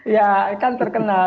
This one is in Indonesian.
ya kan terkenal